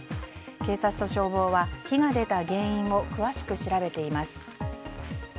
警察と消防は、火が出た原因を詳しく調べています。